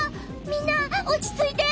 みんなおちついて！